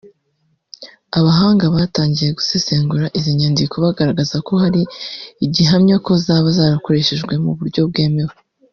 Abahanga batangiye gusesengura izi nyandiko bagaragaza ko hari igihamya ko zaba zarakoreshejwe mu buryo bwemewe